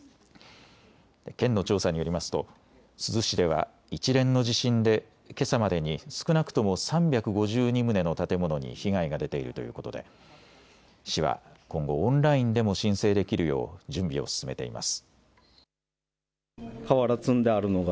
県の調査によりますと珠洲市では一連の地震でけさまでに少なくとも３５２棟の建物に被害が出ているということで市は今後、オンラインでも申請できるよう準備を進めています。